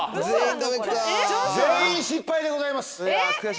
全員失敗でございます。